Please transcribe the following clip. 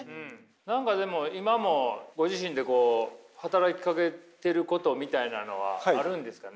何かでも今もご自身で働きかけてることみたいなのはあるんですかね？